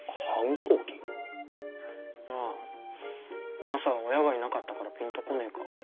ああマサは親がいなかったからピンとこねえか。